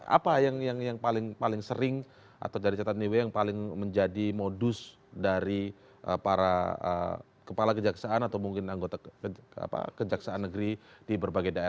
apa yang paling sering atau dari catatan iw yang paling menjadi modus dari para kepala kejaksaan atau mungkin anggota kejaksaan negeri di berbagai daerah